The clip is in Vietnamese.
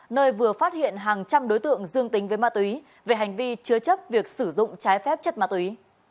nơi vừa phát hiện hàng trăm đối tượng dương tính với ma túy về hành vi chứa chấp việc sử dụng trái phép chất ma túy